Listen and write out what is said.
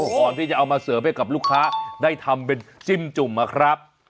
ก่อนที่จะเอามาเสิร์ฟให้กับลูกค้าได้ทำเป็นจิ้มจุ่มนะครับ